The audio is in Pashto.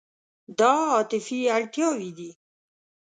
دا عاطفي اړتیاوې دي.